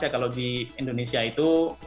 kalau di indonesia itu